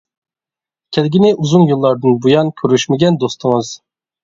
كەلگىنى ئۇزۇن يىللاردىن بۇيان كۆرۈشمىگەن دوستىڭىز.